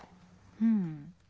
うん。